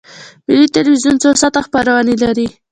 ملي تلویزیون څو ساعته خپرونې لري؟